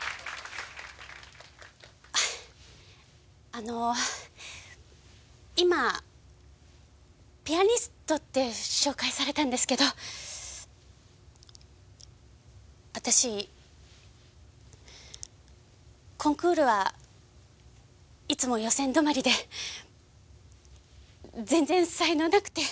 あの今ピアニストって紹介されたんですけど私コンクールはいつも予選止まりで全然才能なくて。